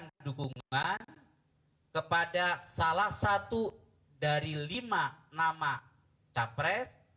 mendukungan kepada salah satu dari lima nama capres